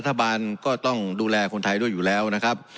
รัฐบาลก็ต้องดูแลคนไทยด้วยอยู่แล้วนะครับ